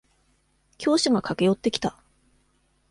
教師が駆け寄ってきた。